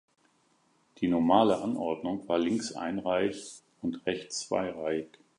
Die normale Anordnung war links einreihig und rechts zweireihig.